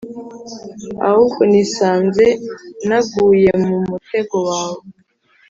Ahbw nisanze naguyemumutegowawe